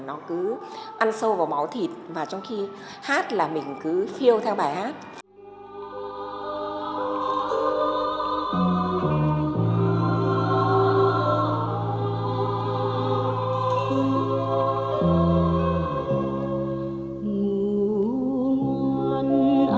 nó cứ ăn sâu vào máu thịt và trong khi hát là mình cứ phiêu theo bài hát